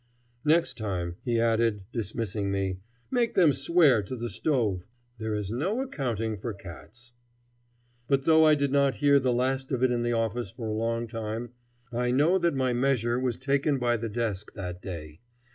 "Next time," he added, dismissing me, "make them swear to the stove. There is no accounting for cats." But, though I did not hear the last of it in the office for a long time, I know that my measure was taken by the desk that day.